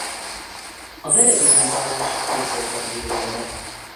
A verebélyi járás főszolgabírója lett.